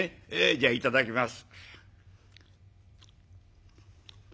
じゃあいただきます」。